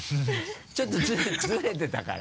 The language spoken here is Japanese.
ちょっとズレてたから。